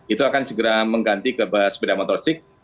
itu akan segera mengganti ke sepeda motor listrik